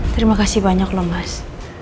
terima kasih banyak loh mas